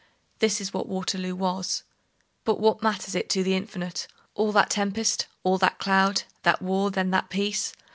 This is what Waterloo was. But what matters it to the Infinite? all that tempest, all that cloud, that war, then that peace?